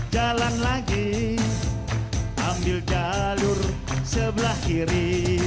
jalan lagi ambil jalur sebelah kiri